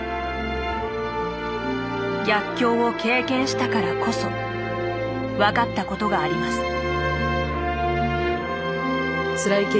逆境を経験したからこそ分かったことがあります。